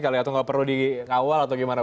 kalau tidak perlu dikawal atau bagaimana